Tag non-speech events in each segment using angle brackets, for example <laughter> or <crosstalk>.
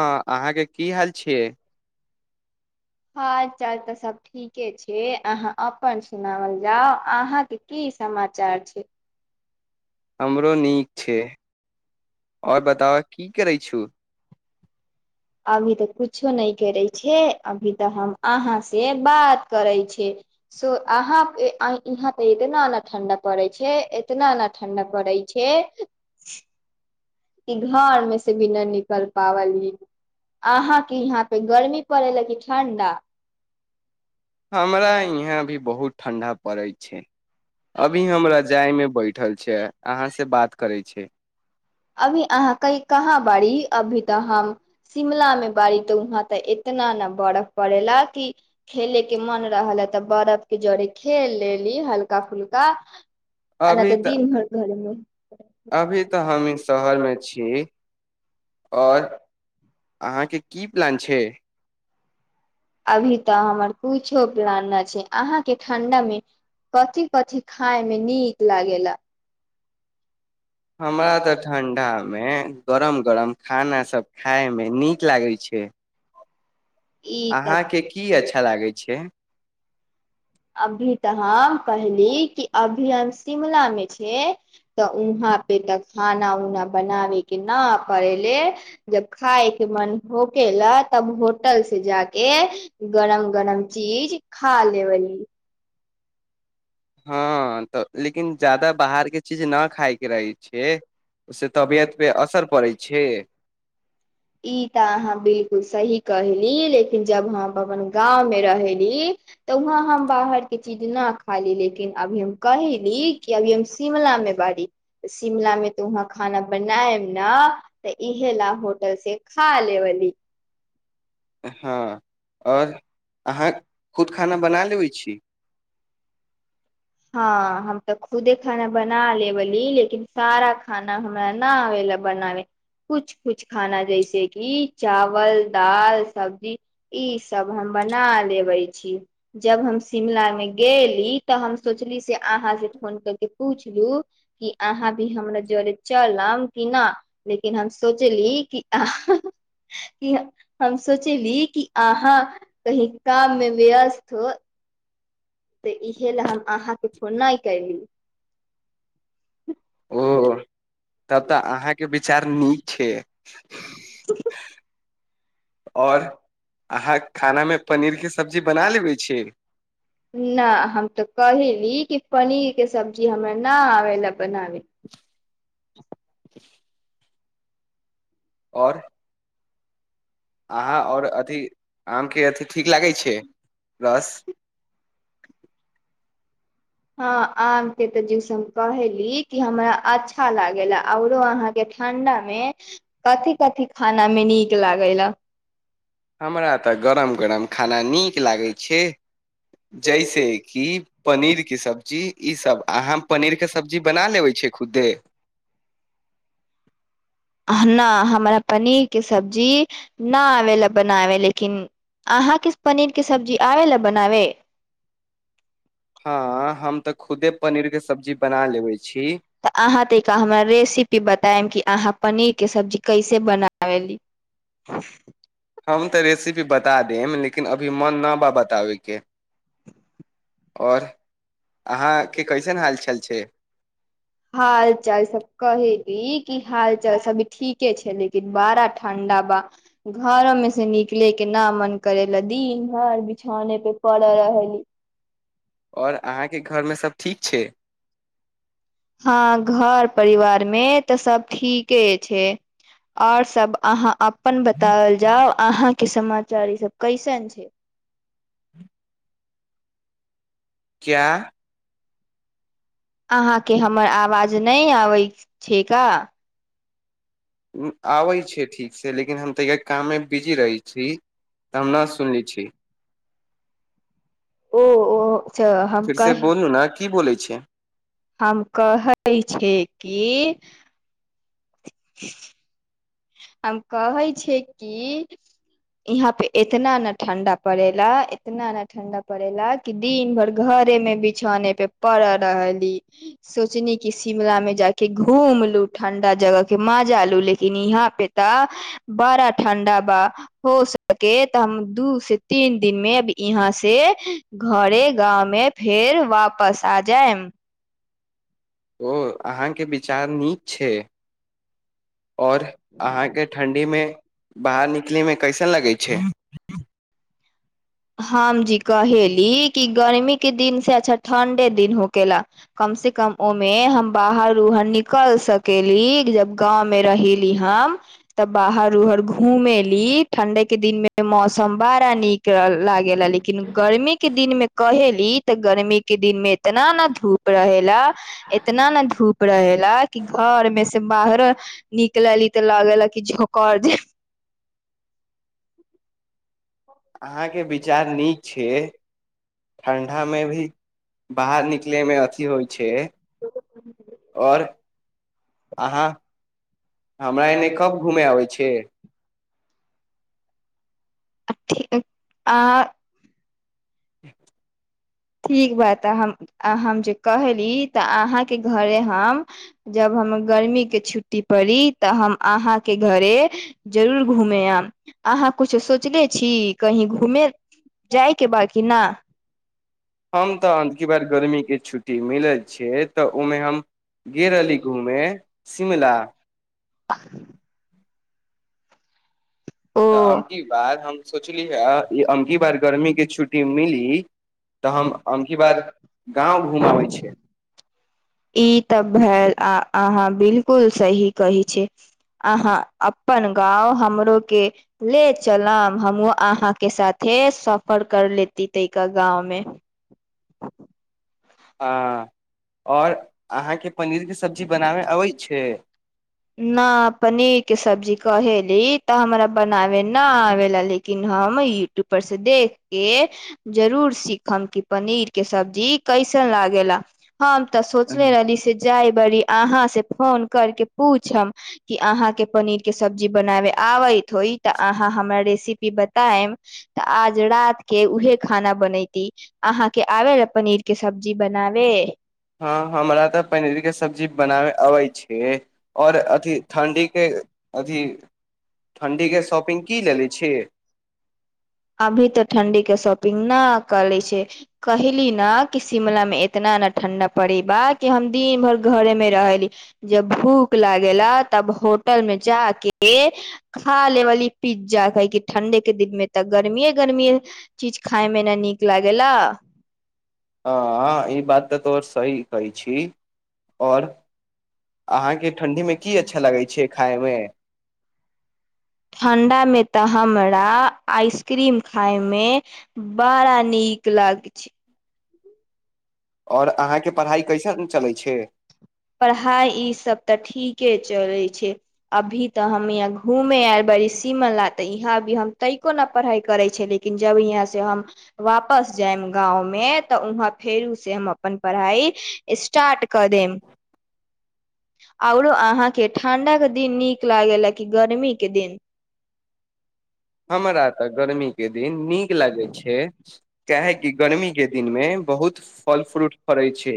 हँ अहाँके की हाल छियै हाल चाल तऽ सभ ठीके छै अहाँ अपन सुनाओल जाउ अहाँके की समाचार छै हमरो नीक छै आओर बताब की करै छ अभी तऽ कछो नहि करै छै अभी तऽ हम अहाँ से बात करै छै अहाँ यहाँ ते इतना ने ठण्डा पड़ै छै इतना ने ठण्डा पड़ै छै कि घर मे से भी नहि निकल पावली अहाँ क यहाँ पे गर्मी पड़ै ला कि ठण्डा हमरा यहाँ भी बहुत ठण्डा पड़ै छै अभी हमराजाइ मे बैठल छियै अहाँ से बात करै छै अभी अहाँ कही कहाँ बारी अभी तऽ हम शिमला मे बारी तऽ वहाँ तऽ इतना ने बरफ पड़ेला कि खेले के मन रहल ह तऽ बरफ के जरे खेल लेली हल्का फुल्का अना तऽ दीन हो कहलमे गामी शहरमे छी आओर अहाँके की प्लान छै अभी तऽ हमर कछो प्लान नहि छै अहाँके ठण्डा मे कथी कथिी खाायमे नीक लागेला हमरा तऽ ठण्डामे गरम गरम खानासभ खाायमे नीक लागैत छै ई अहाँके की अच्छा तऽ लागै छै अभी तऽ ह कहहिली कि अभी हम शिमला में छै तऽ वहाँ पे ते खाना उना बनावे के न पड़ेले जब खााय के मन होके ले तब होटल से जा के गरम गरम चीज खा लेबल हँ तऽ लेकिन जादा बाहर के चीज न खायके रहै छैिय ओसँ तबियत पे असर पड़ै छै ई तऽ अहाँ बिलकुल सही कहली लेकिन जब हम अपन गाँंव में रहेली तऽ वहाँ हम बाहर के चीज नहि ख ली लेकिन अभी हम कहैली कि अभी हम शिमला मे बड़ी त शिमला मे तऽ वहाँ खाना बनायब ने तऽ इहे ला से खा लेबी हँ आओर अहाँ खुद खाना बना लेबै छी हँ हम तऽ खुदे खाना बना लेबली लेकिन सारा खाना हमरा न आब ले बनाबे कुछ कुछ खाना जैस किि चावल दाल सब्जी ई सब हम बना लेबे छी जब हम शिमला मे गेली तऽ हम सोचली फ पूछलू अहाँ भी हमरा जर चलब कि नहि लेकिन हम सोचली हम सोचली कि अहाँ कही काम मे व्यस्त हो तऽ इहे लए हम अहाँ कोन नहि आ कल ओ तब तऽ अहाँके विचार नीक छै ह छै आओर अहाँ खानामे पनीरके सब्जी बना लेबै छी न हम तऽ कहेली कि पनीर के सब्जी हमरा न आबे ल बनाब आओर अहाँ आओर अथि आमके अथि ठीक लागै छै रस हँ आमके तऽ जूस हम कहयली कि हमरा अच्छा लागैए आओरो अहाँके ठण्डामे कथी कथथि खानामे नीक लागैए हमरा तऽ गरम गरम खाना नीक लागैत छै जैस कि पनीरके सब्जी ईसभ अहाँ पनीरके सब्जी बना लेबै छियै खुदे <unintelligible> न हमरा पनीर के सब्जी न आबे ल बनाबे लेकिन अहाँके पनीर के सब्जी आबे ल बनाबे हँ हम तऽ खुदे पनीरके सब्जी बना लेबै छी क बतायम कि अहाँ पनीर के सब्जी कैसे बनावली हम तऽ रेसिपी बता देम लेकिन अभी मन नहि बा बताबयके आओर अहाँके कैसन हालचाल छै हाल चाल सब कहली कि हाल चाल सब ठीके छै लेकिन बड़ा ठं्डा बा घर मे से निकले के न मन करे ला दिन भर बिछौने पे पड़े रहली आओर अहाँके घरमे सब ठीक छै हँ घर परिवार मे तऽ सब ठीके छै आओर सब अहाँ अप अपन बताओल जाउ अहाँ के समाचार ई सब कैसन छै क्या अहाँके हमर आवाज नहि अबैत छैका आबै छैिय ठीकसँ लेकिन हम तऽया काममे बिजी रहै छी तऽ हम नहि सुन लै छी ओ ओ च हम फिर से कह बोलू ने की बोलै छै हम कहै छै कि <unintelligible> हम कहे छै कि यहाँ पे एतना ने ठं्डा पड़ेला इतना ने ठंडा पड़ेला कि दिन भर घरे मे बिछौने पे पड़ रहली सोचली कि शिमला मे जााक घूम लू ठंडा जगह के मजा लू लेकिन यहाँ पे त बड़ा ठण्डा बा हो सके तऽ हम दू से तीन दिन मे यहाँ से घरे गाव में फेर वापस आ जाय ओ अहाँके विचार नीक छै ओर अहाँके ठण्ढीमे बाहर निकलैमे कैसन लगैत छै ह हम जी कहेली कि गर्मी के दिन से अच्छा ठंडे दिन हो केेला कम से कम ओमे हम बाहर उहर निकल सकेली जब गाँंव मे रहेली हम तब बाहर उहर घूमेेली ठंडे के दिन मे मौसम बड़ा नीक रहल लागे ला लेकिन गर्मी के दिन मे कहेली तऽ गर्मी के दिन मे इतना ने धूप रह ला इतना ने धूप रहेला कि घर मे से बाहरो निकलली तऽ लागे ला कि झोकड़ दे अहाँके विचार नीक छै ठण्डामे भी बाहर निकलैमे अथी होइ छै आओर अहाँ हमरा एने कब घूमय अबै छै थी आ ह ठीक बात तऽ हम हम जे कहली तऽ अहाँके घरे हम जब हम गर्मी के छुट्टी पड़ी तऽ हम अहाँके घरे जरूर घूमे आयब अहाँ कछो सोचले छी कही घूमे जायके बाद किना हम तऽ अके बार गर्मीके छुट्टी मिलल छै तऽ ओहिमे हम गेल रहली घूमेय शिमला ओ तऽ अमकी बार हम सोचली हे ई अमकी बार गर्मीके छुट्टी मिली तऽ हम अमकी बार गाँव घूम आबै छ ई तऽ भेल अहाँ बिलकुल सही कही छै अहाँ अपन गाँव हमरो के ले चलब हमूँ अहााँके साथे सफर कर लेती त गाँंव मे ह और अहाँके पनीर के सब्जी बनाबे अबै छै न पनीर के सब्जी कहेली तऽ हमरा बनाबय नहि आबया लेकिन हम यूट्यूब पररसँ देख कऽ जरूर सीखम कि पनीरके सब्जी कैसन लागेा हम तऽ सोचले रहली से जाय बड़ी अहाँ से फोन कर के पूछम कि अहाँ के पनीर के सब्जी बनावे आबैत होई तऽ अहाँ हमरा रेसिपी बतायम तऽ आज रात के उहे खाना बनती अहाँ के आबे ल पनीर के सब्जी बनावे हँ हमरा तऽ पनीरके सब्जी बनाबय अबै छै आओर अथिी ठण्ढीके अथी ठण्ढीके शॉपिंग की लेने छी अभी तऽ ठण्डी के शॉपिंग ना कर ले छै कहली न कि शिमला में इतना ने ठंडा पड़े बा कि हम दिन भर घरे मे रहली जब भूख लागेेला तब होटल मे जा के खा लेबल पिज्जा क क ठं्डे के दिन मे तऽ गर्मीे गर्मीए चीज खााय मे ने नीक लागेला हँ हँ ई बात तऽ तोर सही करै छी आओर अहाँके ठण्ढीमे की अच्छा लगै छै खायमे ठण्डामे तऽ हमरा आइसक्रीम खायमे बड़ा नीक लग छै आओर अहाँके पढ़ाइ कैसन चलै छै पढ़ाइ इसभ तऽ ठीके चलै छै अभी तऽ हम हहाँ घूमे आयल बड़षिमला तऽ यहाँ भी हम ताहिको नहि पढ़ाइ करै छै लेकिन जब हहाँसँ हम वापस जायब गाँवमे तऽ वहाँ फेरोसँ हम अपन पढ़ाइ स्टार्ट कऽ देब आओरो अहाँके ठं्डाके दिन नीक लागलए कि गर्मीके दिन हमरा आ त गर्मी के दिन नीक लागै छै काहेकि गर्मी के दिन मे बहुत फल फ्रूट फड़ै छै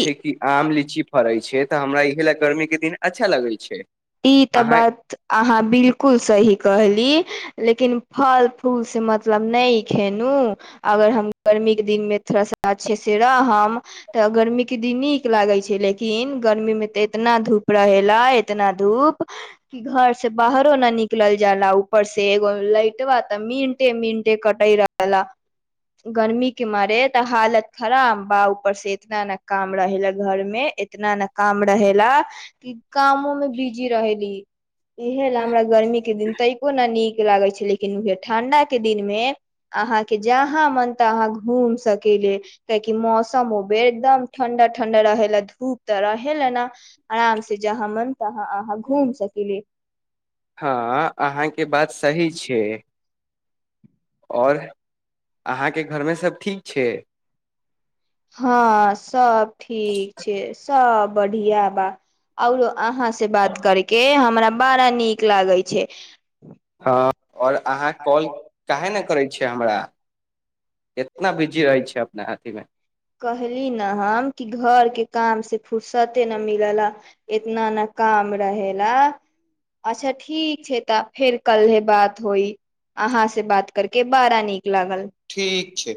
ई कि आम लीची फड़ै छै तऽ हमरा इहे लए गर्मीके दिन अच्छा लगै छै ई तऽ अहाँ ी लेकिन फल फूलसँ मतलब नहि खेलहुँ अगर हम गर्मीके दिनमे थोड़ा सा अच्छे से रहब तऽ गर्मी के दिन नीक लागे छै लेकिन गर्मी में ते एतना धूप रह ला एतना धूप क घर से बाहरो न निकलल जाला ऊपर से एगो लेट बा तऽ मिनटे मिनटे कटे रहला गर्मी के मारे तऽ हालत खराब बा ऊपर से इतना ने काम रहे ला घर में इतना ने काम रहेला कि कामो मे बिजी रह ली इहे लए हमरा गर्मी के दिन तैको न नीक लागे छै लेकिन उहे ठं्डा के दिन मे अहाँके जहाँ मन त अहाँ घूम सकेले काहि मौसम एकदम ठं्डा ठंडा रहे ला धूप तऽ रहे ल ने आराम से जहाँ मन तहा अहाँ घूम सकली हँ आओर अहाँके घरमे सभ ठीक छै हँ सब ठीक छै सब बढ़िआबा आउर अहाँ से बात करके हमरा बारा नीक लागै छै हँ आओर अहाँ कॉल काहे ने करै छियै हमरा एतना बिजी रहै छै अपना अथी मे कहली ने हम कि घर के काम से फुर्सते न मिल ल इतना न काम रहेला अच्छा ठीक छै फेर कल ह बात होई अहाँ से बात करके बारा न लागल ठीक छै